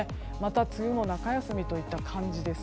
梅雨の中休みという感じです。